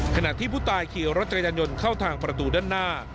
ขณะที่ผู้ตายขี่รถจักรยานยนต์เข้าทางประตูด้านหน้า